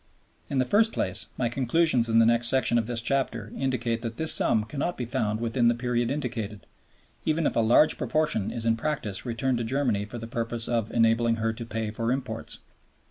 In the first place, my conclusions in the next section of this chapter indicate that this sum cannot be found within the period indicated, even if a large proportion is in practice returned to Germany for the purpose of enabling her to pay for imports.